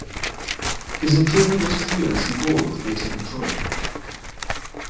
His improvement was clear as he bowled with greater control.